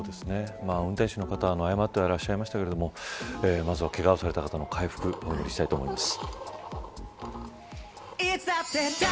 運転手の方誤ってはいらっしゃいましたけどまずは、けがをされた方の回復をお祈りしたいと思います。